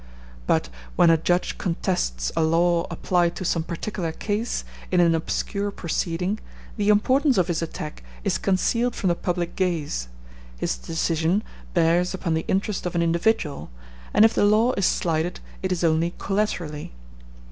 But when a judge contests a law applied to some particular case in an obscure proceeding, the importance of his attack is concealed from the public gaze, his decision bears upon the interest of an individual, and if the law is slighted it is only collaterally.